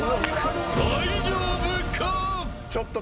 大丈夫か。